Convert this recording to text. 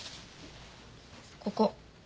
ここ。